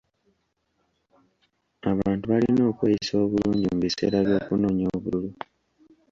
Abantu balina okweyisa obulungi mu biseera by'okunoonya obululu.